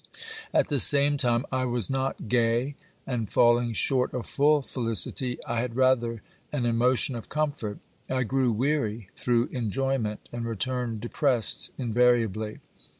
At the same time, I was not gay, and, falling short of full felicity, I had rather an emotion of comfort. I grew weary through enjoyment, and returned depressed invariably.